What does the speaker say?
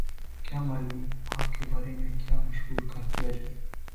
کیا معلوم آپ کے بارے میں کیا مشہور کر دیا جائے؟